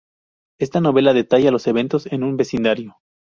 Esta novela detalla los eventos en un vecindario.